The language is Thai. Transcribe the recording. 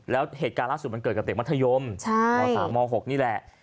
แล้วเหตุการณ์ล่าสุดมันเกิดกับเด็กมัธยมม๓ม๖นี่แหละ